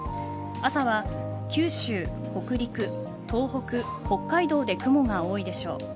朝は九州、北陸東北、北海道で雲が多いでしょう。